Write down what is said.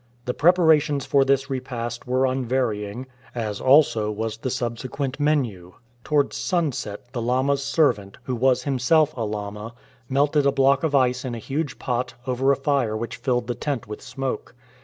The preparations for this repast were unvarying, as also was the subsequent menu. Towards sunset the lama's servant, who was himself a lama, melted 91 A MONGOL MENU a block of ice in a huge pot, over a fire which filled the tent with smoke.